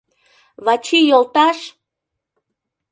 — Вачи йолташ!